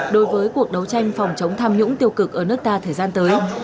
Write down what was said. đối với cuộc đấu tranh phòng chống tham nhũng tiêu cực ở nước ta thời gian tới